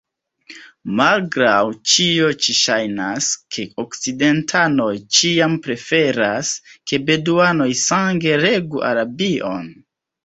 Malgraŭ ĉio ĉi ŝajnas, ke okcidentanoj ĉiam preferas, ke beduanoj sange regu Arabion.